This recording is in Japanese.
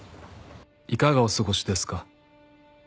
「いかがお過ごしですか？」